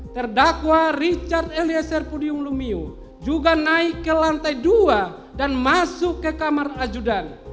terdakwa richard eliezer pudium lumiu juga naik ke lantai dua dan masuk ke kamar ajudan